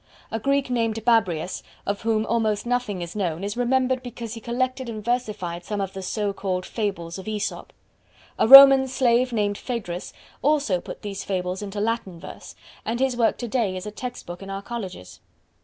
A Greek named Babrius, of whom almost nothing is known, is remembered because he collected and versified some of the so called Fables of Aesop. A Roman slave named Phaedrus also put these Fables into Latin verse; and his work to day is a text book in our colleges.